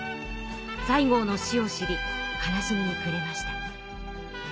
西郷の死を知り悲しみにくれました。